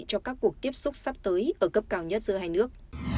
cho các cuộc tiếp xúc sắp tới ở cấp cao nhất giữa hai nước